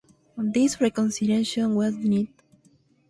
This reconsideration was denied.